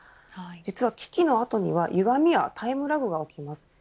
実は危機の後にはゆがみやタイムラグが起きます。